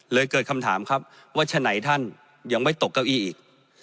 เกิดคำถามครับว่าฉะไหนท่านยังไม่ตกเก้าอี้อีก